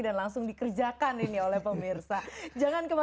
dan langsung dikerjakan ini oleh bapak dan ibu